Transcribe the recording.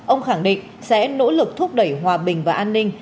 ông khẳng định sẽ nỗ lực thúc đẩy hòa bình và an ninh